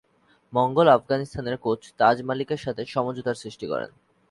মঙ্গল আফগানিস্তানের কোচ তাজ মালিকের সাথে সমঝোতার সৃষ্টি করেন।